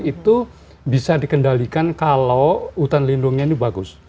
itu bisa dikendalikan kalau hutan lindungnya ini bagus